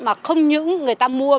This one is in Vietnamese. mà không những người ta mua